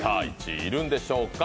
１位、いるんでしょうか。